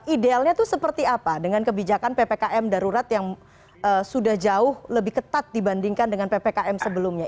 idealnya itu seperti apa dengan kebijakan ppkm darurat yang sudah jauh lebih ketat dibandingkan dengan ppkm sebelumnya